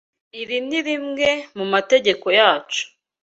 Iri ni rimwe mu mategeko yacu.